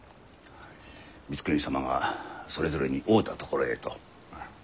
光圀様がそれぞれに合うたところへと。